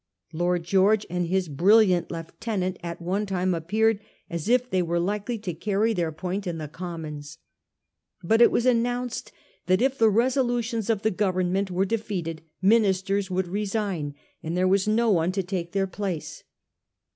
Lord George and his brilliant lieutenant at one time appeared as if they were likely to carry their point in the Commons. But it was announced 1 that if the resolutions of the Government were de feated ministers would resign, and there was no one to take their place.